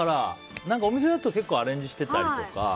お店だと結構アレンジしてたりとか。